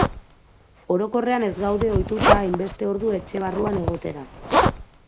Orokorrean ez gaude ohituta hainbeste ordu etxe barruan egotera.